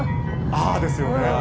あーですよね。